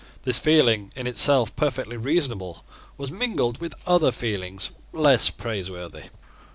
This feeling, in itself perfectly reasonable, was mingled with other feelings less praiseworthy.